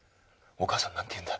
お母さんになんて言うんだ？